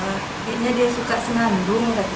kayaknya dia suka senandung